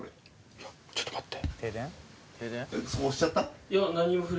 いやちょっと待って。